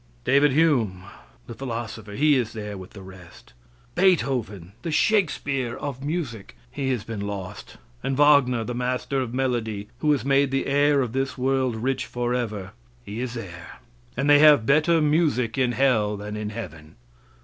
David Hume, the philosopher, he is there with the rest. Beethoven, the Shakespeare of music, he has been lost, and Wagner, the master of melody, and who has made the air of this world rich forever, he is there, and they have better music in hell than in heaven.